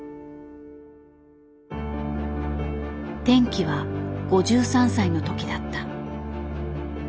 転機は５３歳の時だった。